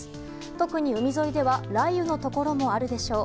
特に海沿いでは雷雨のところもあるでしょう。